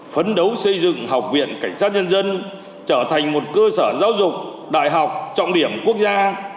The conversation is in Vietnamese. phấn đấu xây dựng học viện cảnh sát nhân dân trở thành một cơ sở giáo dục đại học trọng điểm quốc gia